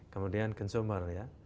kemudian consumer ya